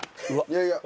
いやいや。